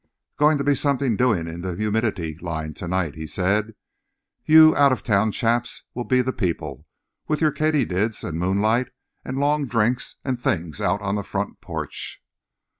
"Going to be something doing in the humidity line to night," he said. "You out of town chaps will be the people, with your katydids and moonlight and long drinks and things out on the front porch."